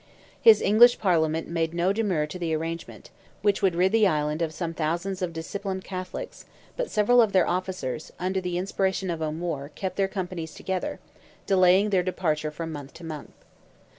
His English Parliament made no demur to the arrangement, which would rid the island of some thousands of disciplined Catholics, but several of their officers, under the inspiration of O'Moore, kept their companies together, delaying their departure from month to month.